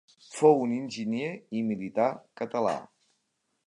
Fou un enginyer i militar català.